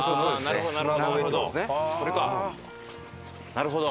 なるほど。